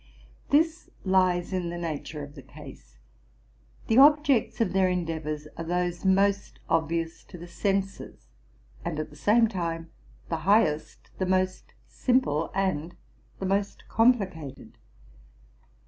This lies in the nature of the case. The objects of their endeavors are those most obvious to the senses, and at the same time the highest, the most simple, and the most com plicated.